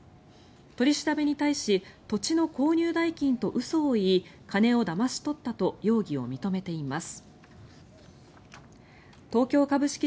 取り調べに対し土地の購入代金と嘘を言い金をだまし取ったと容疑を認めています。